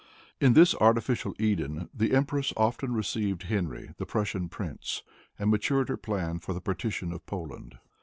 In this artificial Eden the empress often received Henry, the Prussian prince, and matured her plan for the partition of Poland.